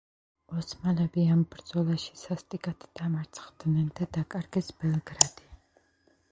ოსმალები ამ ბრძოლაში სასტიკად დამარცხდნენ და დაკარგეს ბელგრადი.